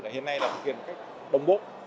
hiện nay là một cái đồng bộ